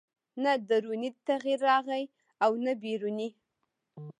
نه دروني تغییر راغی نه بیروني